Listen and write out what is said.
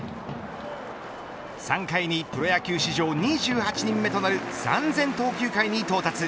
３回にプロ野球史上２８人目となる３０００投球回に到達。